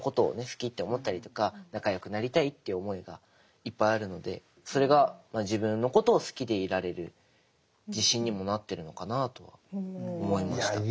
好きって思ったりとか仲よくなりたいっていう思いがいっぱいあるのでそれが自分のことを好きでいられる自信にもなってるのかなとは思いました。